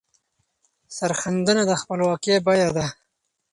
سرښندنه د خپلواکۍ بیه ده.